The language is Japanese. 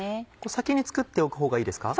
先に作っておくほうがいいですか？